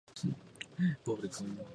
El análisis de Hastings "et al.